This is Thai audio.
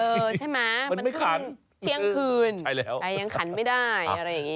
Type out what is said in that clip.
เออใช่ไหมมันคือเที่ยงคืนแต่ยังขันไม่ได้อะไรอย่างงี้